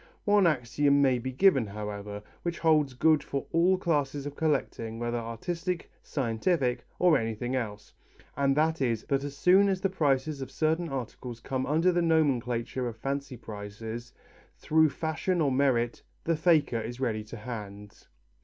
One axiom may be given, however, which holds good for all classes of collecting, whether artistic, scientific, or anything else, and that is that as soon as the prices of certain articles come under the nomenclature of fancy prices, through fashion or merit, the faker is ready to hand.